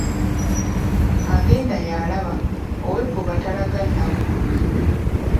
Agenda y’alaba, ow’ebbuba talaga nnaku.